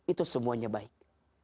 itu semuanya baik